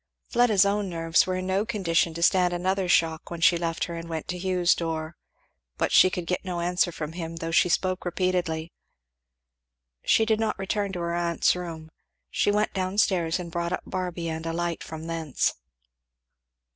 Fleda's own nerves were in no condition to stand another shock when she left her and went to Hugh's door. But she could get no answer from him though she spoke repeatedly. She did not return to her aunt's room. She went down stairs and brought up Barby and a light from thence.